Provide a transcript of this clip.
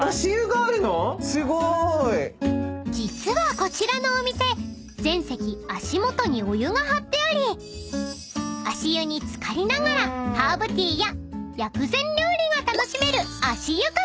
［実はこちらのお店全席足元にお湯が張ってあり足湯に漬かりながらハーブティーや薬膳料理が楽しめる］